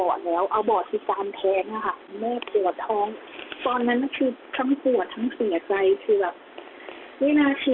ช่วยวิทย์จะหาทางออกมา